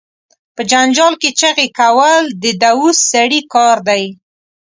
په جنجال کې چغې کول، د دووث سړی کار دي.